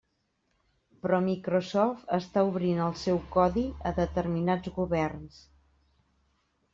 Però Microsoft està obrint el seu codi a determinats governs.